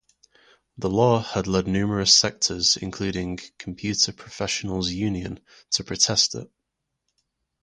The law had led numerous sectors including Computer Professionals' Union to protest it.